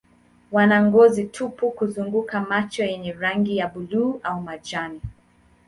Wana ngozi tupu kuzunguka macho yenye rangi ya buluu au majani.